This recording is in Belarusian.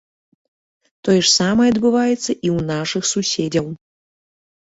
Тое ж самае адбываецца і ў нашых суседзяў.